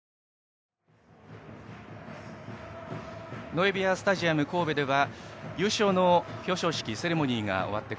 ノエビアスタジアム神戸は優勝の表彰式セレモニーが終わって